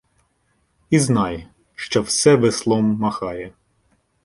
І знай, що все веслом махає